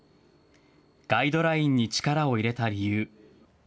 ガイドラインに力を入れた理由。